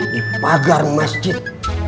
di pagar masjid